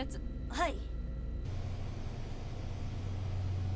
はい。